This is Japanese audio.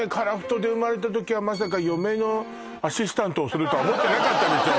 樺太で生まれた時はまさか嫁のアシスタントをするとは思ってなかったでしょ